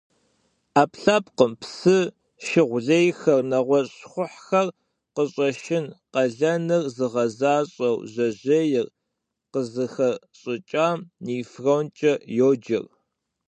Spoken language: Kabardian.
Ӏэпкълъэпкъым псы, шыгъу лейхэр, нэгъуэщӀ щхъухьхэр къыщӀэшын къалэныр зыгъэзащӀэу жьэжьейр къызыхэщӀыкӀам нефронкӀэ йоджэр.